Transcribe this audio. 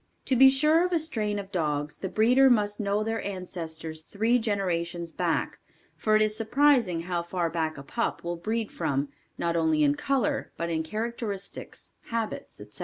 To be sure of a strain of dogs the breeder must know their ancestors three generations back for it is surprising how far back a pup will breed from, not only in color but in characteristics, habits, etc.